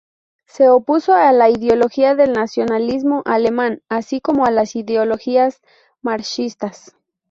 Se opuso a la ideología del nacional-socialismo alemán, así como a las ideologías marxistas.